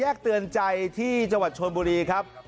อ่ะอ่า